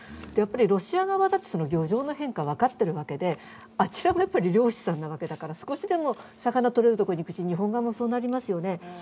ロシア側だって漁場の変化は分かっているわけで、あちらも漁師さんなわけだから、少しでも魚がとれるところに行くし日本側もそうなりますよね。